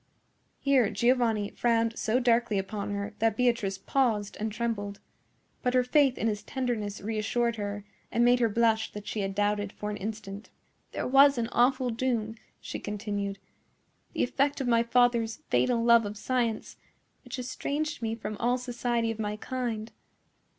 Here Giovanni frowned so darkly upon her that Beatrice paused and trembled. But her faith in his tenderness reassured her, and made her blush that she had doubted for an instant. "There was an awful doom," she continued, "the effect of my father's fatal love of science, which estranged me from all society of my kind.